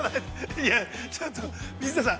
いや、ちょっと、水田さん。